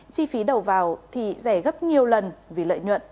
chi phí đầu vào thì rẻ gấp nhiều lần vì lợi nhuận